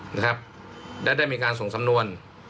นะครับและได้มีการส่งสำนวน